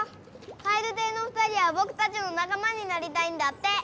カエルテイの２人はぼくたちの仲間になりたいんだって。